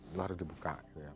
itu harus dibuka